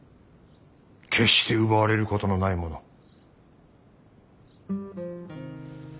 決して奪われることのないもの。